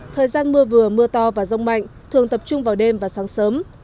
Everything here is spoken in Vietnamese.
thời gian mưa vừa mưa to và rông mạnh thường tập trung vào đêm và sáng sớm